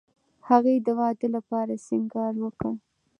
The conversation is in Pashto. هغې د واده لپاره سینګار وکړ